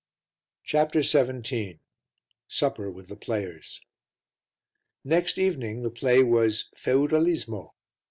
CHAPTER XVII SUPPER WITH THE PLAYERS Next evening the play was Feudalismo.